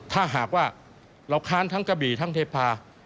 ถ้าหากว่าเราค้านทั้งกระบี่ทั้งเทพา